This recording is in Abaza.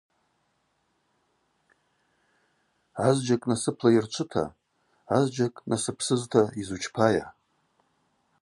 Азджьакӏ насыпла йырчвыта, азджьакӏ насыпсызта йзучпайа?